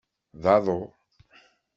D aḍu.